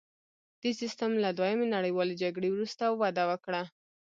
دې سیستم له دویمې نړیوالې جګړې وروسته وده وکړه